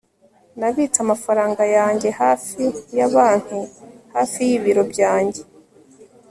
nabitse amafaranga yanjye hafi ya banki hafi y'ibiro byanjye